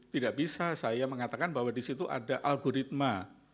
tidak bisa saya mengatakan bahwa di situ ada algoritma